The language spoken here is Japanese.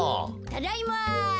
ただいま！